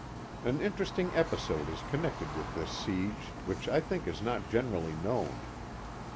An interesting episode is connected with this siege which I think is not generally known.